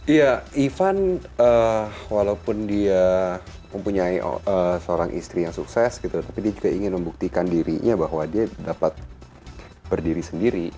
iya ivan walaupun dia mempunyai seorang istri yang sukses gitu tapi dia juga ingin membuktikan dirinya bahwa dia dapat berdiri sendiri